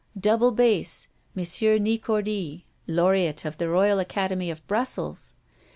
Double bass, M. Nicordi, laureate of the Royal Academy of Brussels.